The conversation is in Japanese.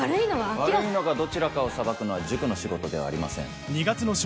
悪いのがどちらかを裁くのは塾の仕事ではありません。